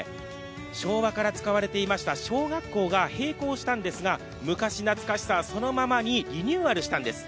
昭和から使われていました小学校が閉校したんですが昔懐かしさそのままにリニューアルしたんです。